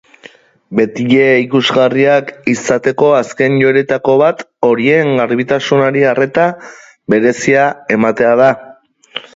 Betile ikusgarriak izateko azken joeretako bat horien garbitasunari arreta berezia ematea da.